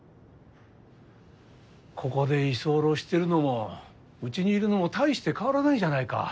ここで居候してるのもうちにいるのも大して変わらないじゃないか。